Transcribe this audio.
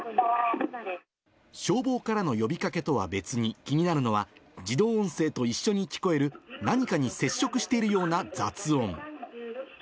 消防からの呼びかけとは別に、気になるのは、自動音声と一緒に聞こえる、何かに接触しているような雑音。